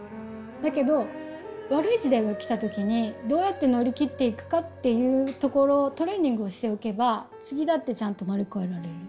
だけど悪い時代が来た時にどうやって乗り切っていくかっていうところをトレーニングをしておけば次だってちゃんと乗り越えられる。